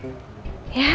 kayaknya t dx kan